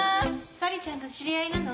Ｓａｌｉちゃんと知り合いなの？